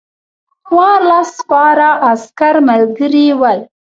څوارلس سپاره عسکر ملګري ول.